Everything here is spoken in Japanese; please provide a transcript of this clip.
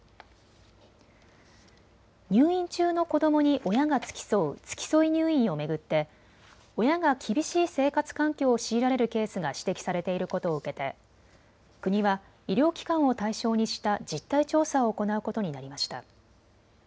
入院中の子どもに親が付き添う付き添い入院を巡って親が厳しい生活環境を強いられるケースが指摘されていることを受けて国は医療機関を対象にした実態調査を行うことになりました。